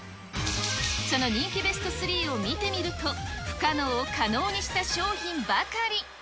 その人気ベスト３を見てみると、不可能を可能にした商品ばかり。